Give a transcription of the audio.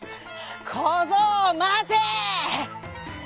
「こぞうまて」。